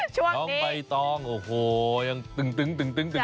จองใบจองโอ้โหยังตึงอยู่